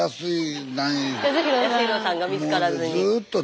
安広さんが見つからずに。